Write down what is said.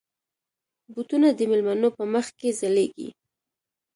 بوټونه د مېلمنو په مخ کې ځلېږي.